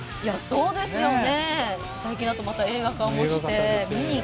そうですね。